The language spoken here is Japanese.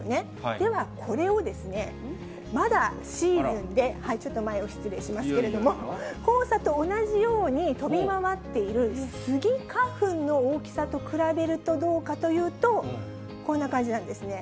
では、これをまだシーズンで、ちょっと前を失礼しますけれども、黄砂と同じように飛び回っているスギ花粉の大きさと比べるとどうかというと、こんな感じなんですね。